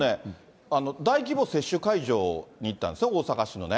大規模接種会場に行ったんですね、大阪市のね。